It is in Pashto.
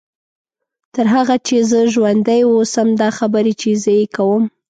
تر هغه چې زه ژوندۍ واوسم دا خبرې چې زه یې کوم.